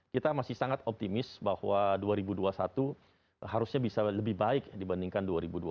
kita masih sangat optimis bahwa dua ribu dua puluh satu harusnya bisa lebih baik dibandingkan dua ribu dua puluh